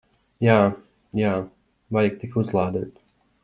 Jā. Jā. Vajag tik uzlādēt.